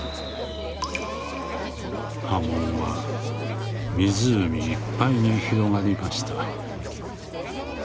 「波紋は湖いっぱいに広がりました」。